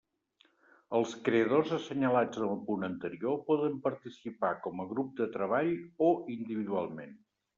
Els creadors assenyalats en el punt anterior poden participar com a grup de treball o individualment.